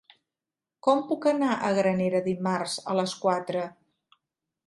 Com puc anar a Granera dimarts a les quatre?